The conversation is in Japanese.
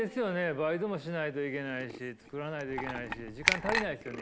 バイトもしないといけないし作らないといけないし時間足りないっすよね